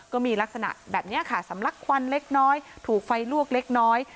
ก็มีลักษณะแบบนี้ค่ะสำลักควันเล็กน้อยถูกไฟลวกเล็กน้อย